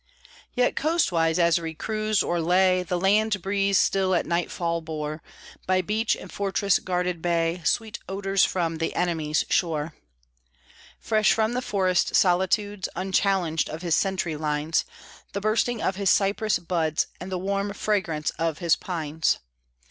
Yet coastwise as we cruised or lay, The land breeze still at nightfall bore, By beach and fortress guarded bay, Sweet odors from the enemy's shore, Fresh from the forest solitudes, Unchallenged of his sentry lines, The bursting of his cypress buds, And the warm fragrance of his pines.